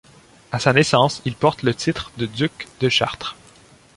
À sa naissance, il porte le titre de duc de Chartres.